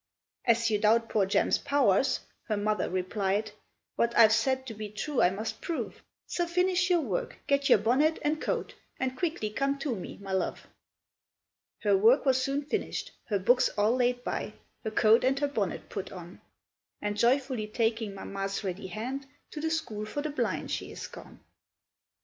"As you doubt poor Jem's powers," her mother replied, "What I've said to be true I must prove; So finish your work, get your bonnet and coat, And quickly come to me, my love." [Illustration: to face pa. 20 The Blind Boy] Her work was soon finish'd, her books all laid by, Her coat and her bonnet put on, And joyfully taking mamma's ready hand, To the school for the blind she is gone.